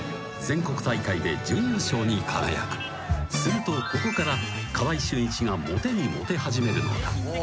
［するとここから川合俊一がモテにモテ始めるのだ］